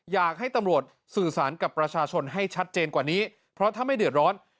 อยากให้ตำรวจสื่อสารกับประชาชนให้ชัดเจนกว่านี้เพราะถ้าไม่เดือดร้อน